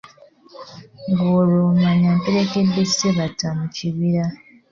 Ng'olwo omanya mperekedde Ssebatta mu kibira.